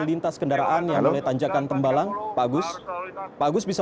tidak ada kematian